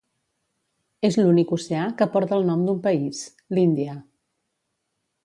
És l'únic oceà que porta el nom d'un país: l'Índia.